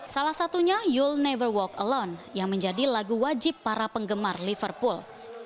salah satunya you'll never walk alone yang menjadi lagu wajib para penggemar liverpool